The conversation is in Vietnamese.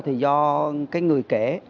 thì do cái người kể